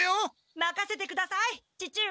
まかせてください父上！